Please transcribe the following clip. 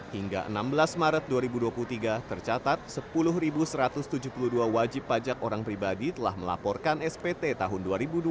hingga enam belas maret dua ribu dua puluh tiga tercatat sepuluh satu ratus tujuh puluh dua wajib pajak orang pribadi telah melaporkan spt tahun dua ribu dua puluh